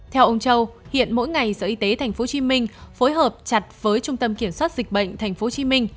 theo ông châu hiện mỗi ngày sở y tế tp hcm phối hợp chặt với trung tâm kiểm soát dịch bệnh tp hcm